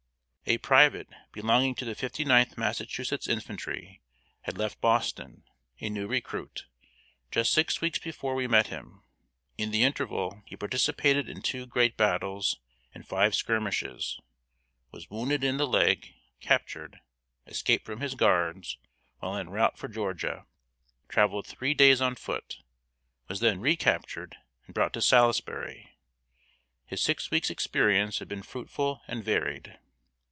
A private belonging to the Fifty ninth Massachusetts Infantry, had left Boston, a new recruit, just six weeks before we met him. In the interval he participated in two great battles and five skirmishes, was wounded in the leg, captured, escaped from his guards, while en route for Georgia, traveled three days on foot, was then re captured and brought to Salisbury. His six weeks' experience had been fruitful and varied.